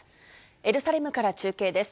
エルサレムから中継です。